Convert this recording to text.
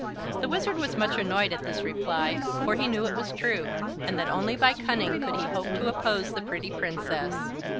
The Wizard was much annoyed at this reply, for he knew it was true, and that only by cunning could he hope to oppose the pretty Princess.